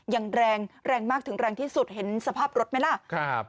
อย่างแรงแรงมากถึงแรงที่สุดเห็นสภาพรถไหมล่ะครับ